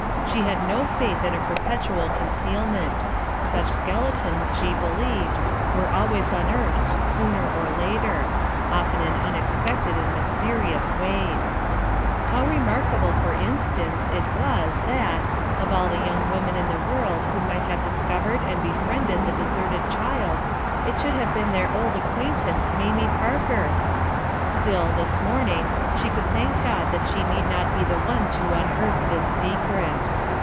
She had no faith in a perpetual concealment; such skeletons, she believed, were always imeartlied sooner or later — often in unexpected and mysterious ways. How remarkable, for in stance, it was that, of all the young women in the world who might have discovered and befriended the deserted child it should have been their old acquaintance Mamie Parker I Still, this morning, she could thank God that she need not be the one to unearth this secret.